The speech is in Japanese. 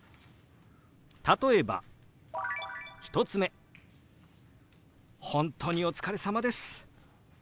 例えば１つ目「本当にお疲れさまです」。